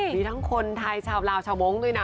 มีทั้งคนไทยชาวลาวชาวมงค์ด้วยนะ